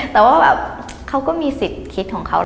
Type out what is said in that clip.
แต่ว่าแบบเขาก็มีสิทธิ์คิดของเขา